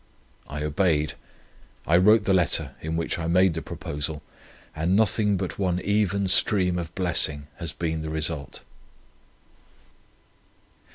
I obeyed. I wrote the letter in which I made the proposal, and nothing but one even stream of blessing has been the result.